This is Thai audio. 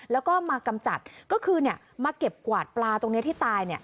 แล้วก็มากำจัดก็คือมาเก็บกวาดปลาตรงนี้ที่ตาย